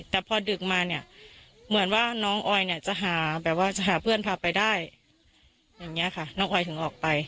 แต่พอดึกมาเหมือนว่าน้องอยจะหาเพื่อนพาไปได้อย่างนี้ค่ะน้องอยถึงออกไป